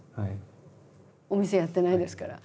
お店やってないですから。